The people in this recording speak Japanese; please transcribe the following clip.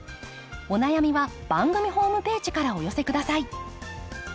お悩みは番組ホームページからお寄せ下さい。